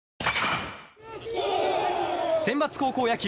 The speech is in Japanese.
センバツ高校野球